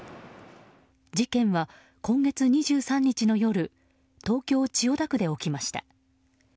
事件は今月２３日の夜東京・千代田区で起きました。